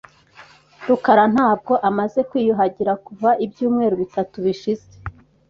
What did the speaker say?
rukara ntabwo amaze kwiyuhagira kuva ibyumweru bitatu bishize .